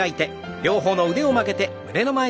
両方の腕を曲げて胸の前に。